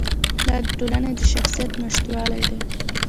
دا د ټولنې د شخصیت نشتوالی دی.